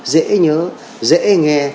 dễ nhớ dễ nghe